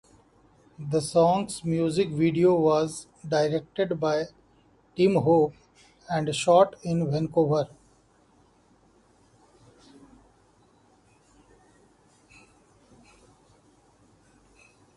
The song's music video was directed by Tim Hope and shot in Vancouver.